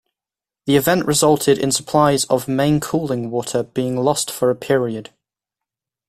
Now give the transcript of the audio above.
The event resulted in supplies of main cooling water being lost for a period.